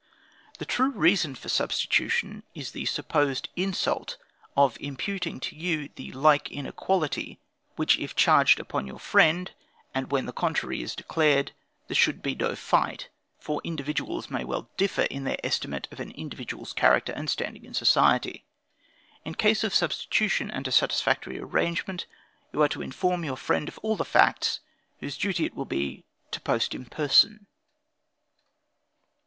The true reason for substitution, is the supposed insult of imputing to you the like inequality which if charged upon your friend, and when the contrary is declared, there should be no fight, for individuals may well differ in their estimate of an individual's character and standing in society. In case of substitution and a satisfactory arrangement, you are then to inform your friend of all the facts, whose duty it will be to post in person.